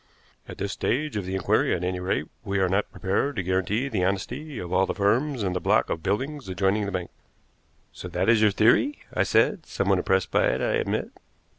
At this stage of the inquiry, at any rate, we are not prepared to guarantee the honesty of all the firms in the block of buildings adjoining the bank." "So that is your theory?" I said, somewhat impressed by it, I admit.